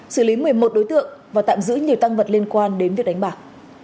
xử lý một mươi một đối tượng và tạm giữ nhiều tăng vật liên quan đến việc đánh bạc